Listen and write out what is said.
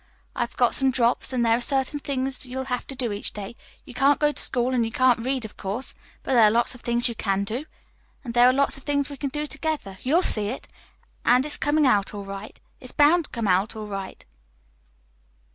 I've got some drops, and there are certain things you'll have to do each day. You can't go to school, and you can't read, of course; but there are lots of things you can do. And there are lots of things we can do together you'll see. And it's coming out all right. It's bound to come out all right."